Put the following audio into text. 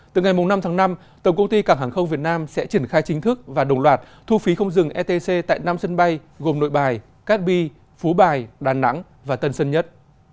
từ ngày năm tháng năm tổng công ty cảng hàng không việt nam sẽ triển khai chính thức và đồng loạt thu phí không dừng etc tại năm sân bay gồm nội bài cát bi phú bài đà nẵng và tân sơn nhất